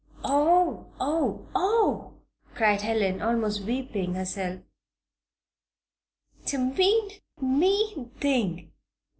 "Oh, oh, oh!" cried Helen, almost weeping herself. "The mean, mean thing!